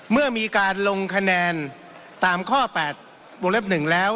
เมื่อมีการลงคะแนนตามข้อ๘วงเล็บ๑แล้ว